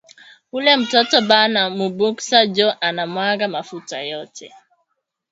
Ule mtoto bana mu bunka njo ana mwanga mafuta yote